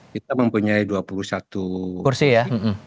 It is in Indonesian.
kita mempunyai dua puluh satu kursi ya